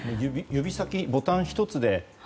指先ボタン１つで。